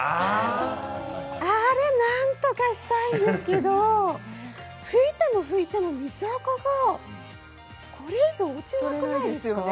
あれなんとかしたいですけれど拭いても拭いても水あかが落ちなくないですか？